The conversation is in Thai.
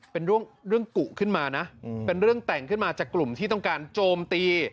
เป็นเรื่องกุขึ้นมานะเป็นเรื่องแต่งขึ้นมาจากกลุ่มที่ต้องการโจมตี